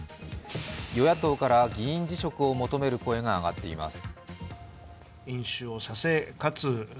与野党から議員辞職を求める声が上がっています。